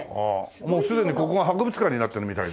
もうすでにここが博物館になってるみたい。